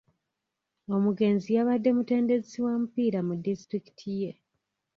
Omugenzi yabadde mutendesi wa mupiira mu disitulikiti ye.